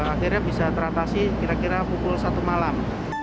akhirnya bisa teratasi kira kira pukul satu malam